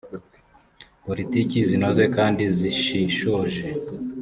politiki zinoze kandi zishishoje